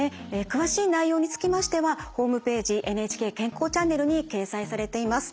詳しい内容につきましてはホームページ「ＮＨＫ健康チャンネル」に掲載されています。